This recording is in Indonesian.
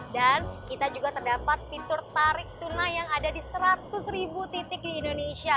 dan kita juga terdapat fitur tarik tunai yang ada di seratus ribu titik di indonesia